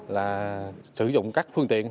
là sử dụng các phương tiện